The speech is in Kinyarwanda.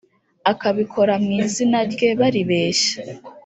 akabikora mu izina rye baribeshya